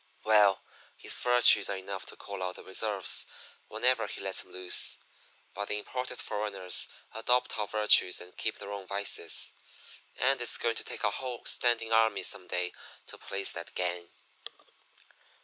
Well, his virtues are enough to call out the reserves whenever he lets 'em loose. But the imported foreigners adopt our virtues and keep their own vices and it's going to take our whole standing army some day to police that gang.